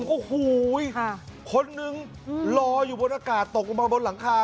โอ้โหคนนึงรออยู่บนอากาศตกลงมาบนหลังคา